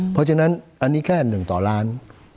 เพราะฉะนั้นอันนี้แค่๑ต่อล้าน